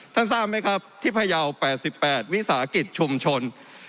ทราบไหมครับที่พยาว๘๘วิสาหกิจชุมชน